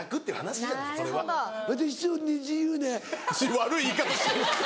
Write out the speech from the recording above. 悪い言い方してる。